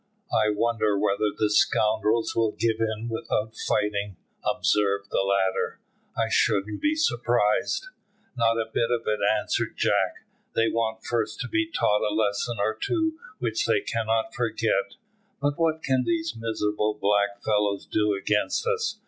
"I wonder whether the scoundrels will give in without fighting," observed the latter; "I shouldn't be surprised." "Not a bit of it," answered Jack. "They want first to be taught a lesson or two which they cannot forget." "But what can these miserable black fellows do against us?